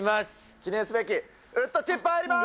記念すべきウッドチップ入りまーす。